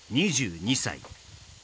２２歳